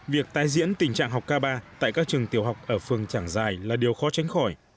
việc tái diễn tình trạng học ca ba tại các trường tiểu học ở phường trảng dài là điều khó tránh khỏi